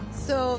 そう？